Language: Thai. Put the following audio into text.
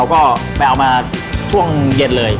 ก็ไปเอามาช่วงเย็นเลย